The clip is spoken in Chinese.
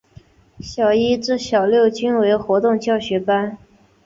小一至小六均为活动教学班。